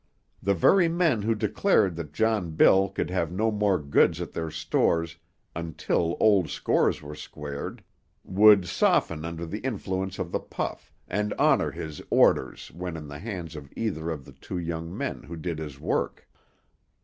The very men who declared that John Bill could have no more goods at their stores until old scores were squared would soften under the influence of the puff, and honor his "orders" when in the hands of either of the two young men who did his work.